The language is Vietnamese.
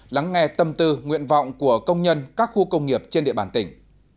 lắng nghe tâm tư nguyện vọng của công nhân các khu công nghiệp trên địa bàn tỉnh